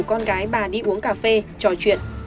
con gái bà đi uống cà phê trò chuyện